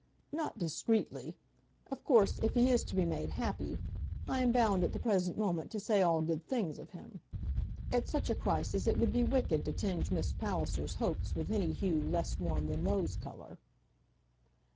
"Not discreetly. Of course if he is to be made happy, I am bound at the present moment to say all good things of him. At such a crisis it would be wicked to tinge Miss Palliser's hopes with any hue less warm than rose colour."